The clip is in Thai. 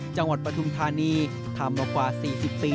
จังหวัดประถุมธานีทำมากว่า๔๐ปี